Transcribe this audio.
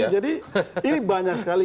jadi ini banyak sekali